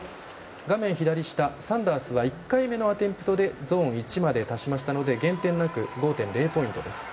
画面左下、サンダースは１回目のアテンプトでゾーン１まで達しましたので減点なく５．０ポイントです。